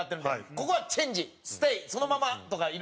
「ここはチェンジ」「ステイ」「そのまま」とか、いろいろ。